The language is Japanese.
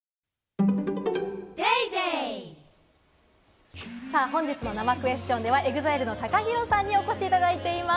わぁ本日の生クエスチョンでは、ＥＸＩＬＥのＴＡＫＡＨＩＲＯさんにお越しいただいています。